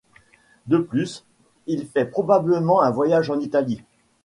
De plus, il fait probablement un voyage en Italie.